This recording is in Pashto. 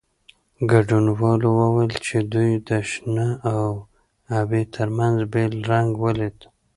ګډونوالو وویل چې دوی د شنه او ابي ترمنځ بېل رنګ ولید.